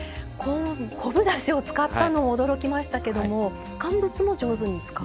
昆布だしを使ったのも驚きましたけども乾物も上手に使う。